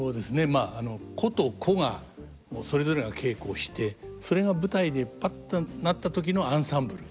まあ個と個がそれぞれが稽古をしてそれが舞台でパッとなった時のアンサンブル？